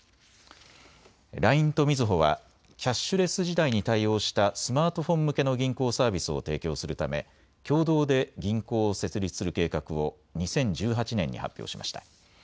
ＬＩＮＥとみずほはキャッシュレス時代に対応したスマートフォン向けの銀行サービスを提供するため共同で銀行を設立する計画を２０１８年に発表しました。